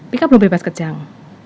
pika belum bebas kejang